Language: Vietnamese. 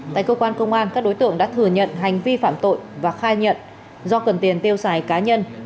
tại cơ quan công an các đối tượng đã thừa nhận hành vi phạm tội và khai nhận do cần tiền tiêu xài cá nhân